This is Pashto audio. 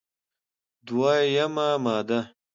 دوه یمه ماده: